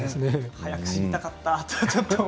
早く知りたかった。